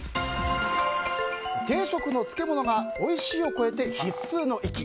定食の漬物がおいしいを超えて必須の域。